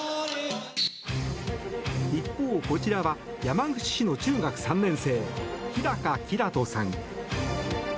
一方、こちらは山口市の中学３年生日高煌人さん。